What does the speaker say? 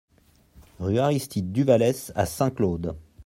Rue Aristide Duvales à Saint-Claude